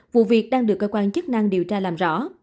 vụ việc đang được cơ quan chức năng điều tra làm rõ